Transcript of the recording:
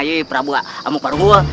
yui prabu amuk marukwote